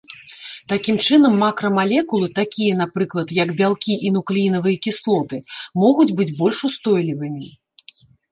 Такім чынам, макрамалекулы, такія, напрыклад, як бялкі і нуклеінавыя кіслоты, могуць быць больш устойлівымі.